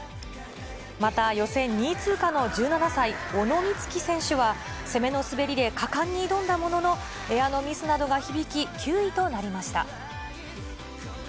また、予選２位通過の１７歳、小野光希選手は、攻めの滑りで果敢に挑んだものの、エアのミスなどが響き、９位となりました。